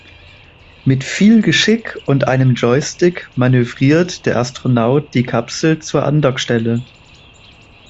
Mit viel Geschick und einem Joystick manövriert der Astronaut die Kapsel zur Andockstelle.